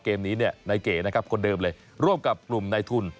เกมนี้เนี่ยนายเก๋นะครับคนเดิมเลยร่วมกับกลุ่มในทุน